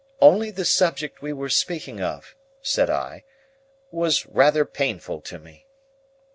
Only the subject we were speaking of," said I, "was rather painful to me."